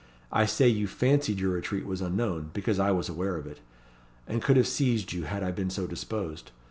I say, you fancied your retreat was unknown, because I was aware of it, and could have seized you had I been so disposed.